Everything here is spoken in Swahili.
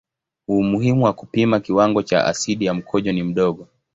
Umuhimu wa kupima kiwango cha asidi ya mkojo ni mdogo.